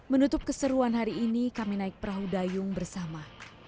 menutup keseruan hari ini kami naik perahu dayung bersama